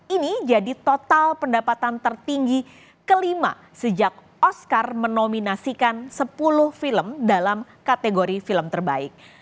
ini jadi total pendapatan tertinggi kelima sejak oscar menominasikan sepuluh film dalam kategori film terbaik